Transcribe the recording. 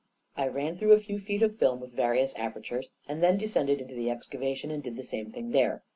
I ran through a few feet of film with various apertures, and then descended into the excavation and did the same thing there.